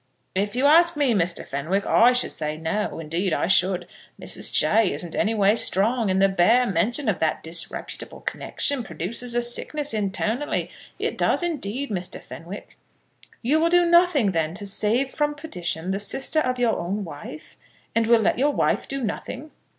"If you ask me, Mr. Fenwick, I should say no; indeed I should. Mrs. Jay isn't any way strong, and the bare mention of that disreputable connexion produces a sickness internally; it does, indeed, Mr. Fenwick." "You will do nothing, then, to save from perdition the sister of your own wife; and will let your wife do nothing?"